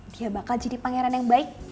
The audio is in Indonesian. dia bakal jadi pangeran yang baik